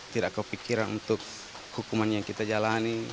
tidak kepikiran untuk hukuman yang kita jalani